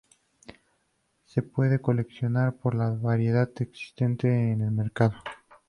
Se pueden coleccionar por la variedad existente en el mercado.